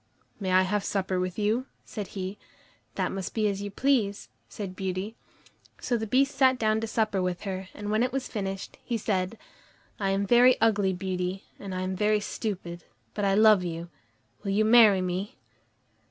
"May I have supper with you?" said he. "That must be as you please," said Beauty. So the Beast sat down to supper with her, and when it was finished, he said: "I am very ugly, Beauty, and I am very stupid, but I love you; will you marry me?"